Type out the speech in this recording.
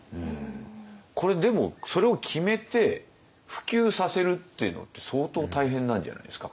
これでもそれを決めて普及させるっていうのって相当大変なんじゃないですか？